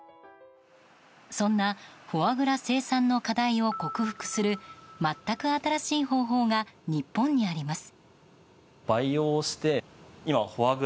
そんなフォアグラ生産の課題を克服する全く新しい方法が日本にあります。